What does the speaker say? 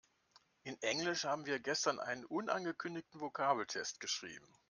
In Englisch haben wir gestern einen unangekündigten Vokabeltest geschrieben.